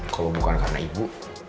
kalo bukan karena ibu